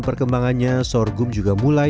perkembangannya sorghum juga mulai